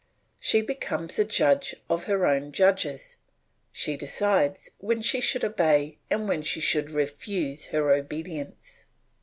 She becomes the judge of her own judges, she decides when she should obey and when she should refuse her obedience.